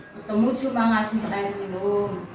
ketemu cuma ngasih air minum